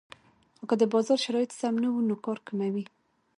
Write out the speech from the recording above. خو که د بازار شرایط سم نه وو نو کار کموي